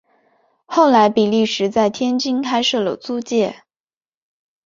后来比利时在天津开设了租界。